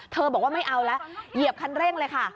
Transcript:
บอกว่าไม่เอาแล้วเหยียบคันเร่งเลยค่ะ